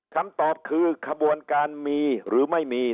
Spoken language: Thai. คำตอบคือขบวนการมีหรือไม่มี